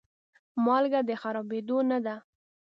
مالګه د خرابېدو نه ده.